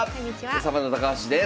サバンナ高橋です。